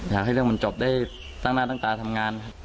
อยากให้เรื่องมันจบได้ตั้งหน้าตั้งตาทำงานครับ